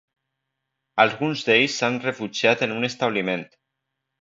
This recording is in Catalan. Alguns d’ells s’han refugiat en un establiment.